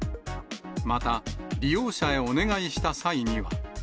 また、利用者へお願いした際には。